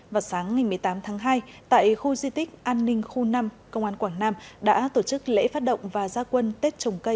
vào sáng ngày một mươi tám tháng hai tại khu di tích an ninh khu năm công an quảng nam đã tổ chức lễ phát động và gia quân tết trồng cây